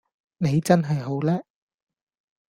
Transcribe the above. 你真係好叻!